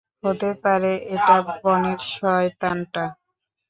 হতে পারে এটা বনের শয়তান টা।